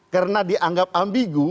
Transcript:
karena dianggap ambigu